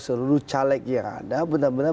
seluruh caleg yang ada benar benar